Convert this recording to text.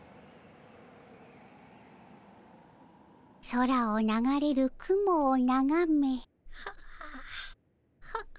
空を流れる雲をながめ。